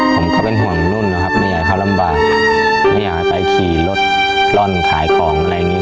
ผมก็เป็นห่วงรุ่นนะครับไม่อยากให้เขาลำบากไม่อยากให้ไปขี่รถร่อนขายของอะไรอย่างนี้